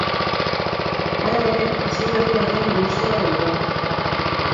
Hala ere, hasiberri baten ilusioa dauka.